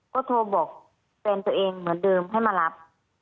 ก็โทรบอกแฟนตัวเองเหมือนเดิมให้มารับ